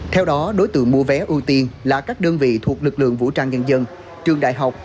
theo đó đối tượng mua vé ưu tiên là các đơn vị thuộc lực lượng vũ trang nhân dân trường đại học